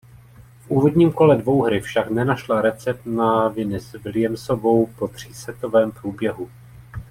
V úvodním kole dvouhry však nenašla recept na Venus Williamsovou po třísetovém průběhu.